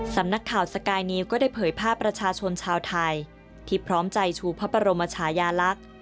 สำนักข่าวสกายนิวก็ได้เผยภาพประชาชนชาวไทยที่พร้อมใจชูพระบรมชายาลักษณ์